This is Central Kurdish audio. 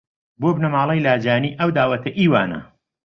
بۆ بنەماڵەی لاجانی ئەو داوەتە ئی وانە